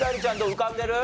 浮かんでる？